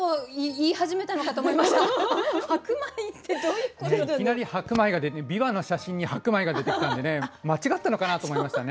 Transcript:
いきなり白米が出てびわの写真に白米が出てきたんで間違ったのかなと思いましたね。